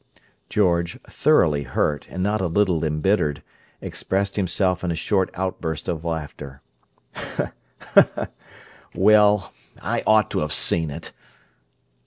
George, thoroughly hurt, and not a little embittered, expressed himself in a short outburst of laughter: "Well, I ought to have seen it!"